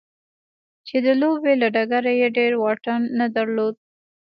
چې د لوبې له ډګره يې ډېر واټن نه درلود.